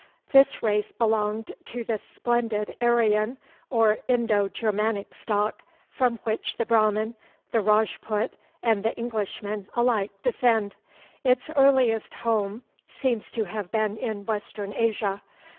This race belonged to the splendid Aryan or Indo Germanic stock from which the Brahman, the Rajput, and the Englishman alike descend. Its earliest home seems to have been in Western Asia.